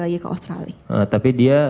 lagi ke australia tapi dia